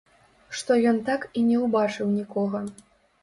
Што ён так і не ўбачыў нікога.